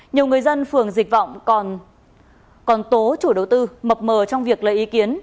nhiều người dân phường dịch vọng còn tố chủ đầu tư mập mờ trong việc lấy ý kiến